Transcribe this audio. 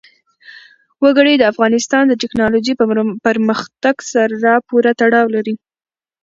وګړي د افغانستان د تکنالوژۍ پرمختګ سره پوره تړاو لري.